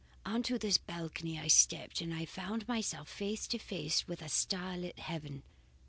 On to this balcony I stepped and found myself face to face with a star lit heaven.